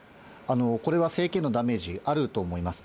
これは政権へのダメージ、あると思います。